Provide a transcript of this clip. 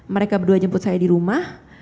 mereka berdua jemput saya di rumah